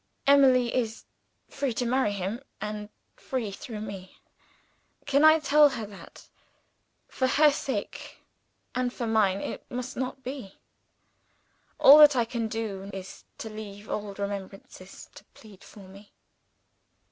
'Emily is free to marry him and free through Me. Can I tell her that? For her sake, and for mine, it must not be. All that I can do is to leave old remembrances to plead for me.